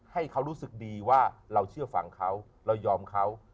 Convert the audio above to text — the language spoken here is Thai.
ให้เขารู้สึกดีว่าเราเชื่อฟังเขาเรายอมเขา